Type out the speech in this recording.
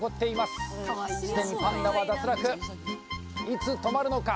すでにパンダは脱落いつ止まるのか？